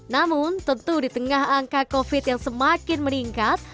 namun tentu di tengah angka covid yang semakin meningkat